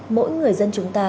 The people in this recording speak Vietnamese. mỗi người dân chúng ta